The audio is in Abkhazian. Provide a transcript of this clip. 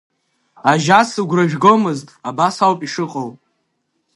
Ажьа сыгәра жәгомызт, абас ауп ишыҟоу…